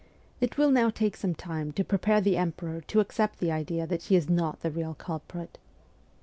It will now take some time to prepare the emperor to accept the idea that she is not the real culprit.'